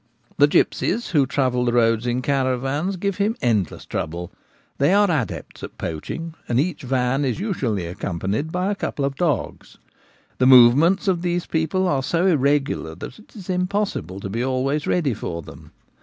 The gipsies, who travel the road in caravans, give him endless trouble ; they are adepts at poaching, and each van is usually accompanied by a couple of dogs. The movements of these people are so irregular that it is impossible to be always ready for them.